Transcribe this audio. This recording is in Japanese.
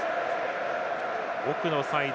奥のサイド